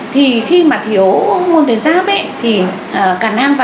thì khi mà thiếu hormôn tuyến giáp ấy